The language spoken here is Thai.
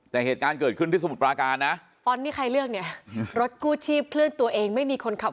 แต่เหตุการณ์เกิดขึ้นที่สมุทรปราการนะตอนที่ใครเลือกเนี่ยรถกู้ชีพเคลื่อนตัวเองไม่มีคนขับ